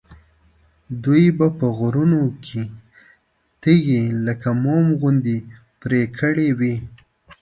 دوی به په غرونو کې تیږې لکه موم غوندې پرې کړې وي.